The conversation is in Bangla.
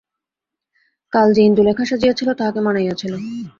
কাল যে ইন্দুলেখা সাজিয়াছিল তাহাকে মানাইয়াছিল।